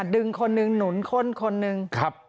ดึงคนหนึ่งหนุนคนหนึ่ง